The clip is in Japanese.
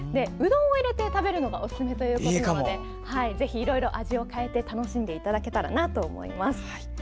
うどんを入れて食べるのがおすすめということなのでぜひ、いろいろ味を変えて楽しんでいただけたらなと思います。